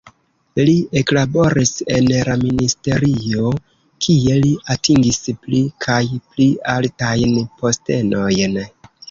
Li eklaboris en la ministerio, kie li atingis pli kaj pli altajn postenojn.